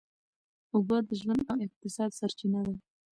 اوبه د ژوند او اقتصاد سرچینه ده.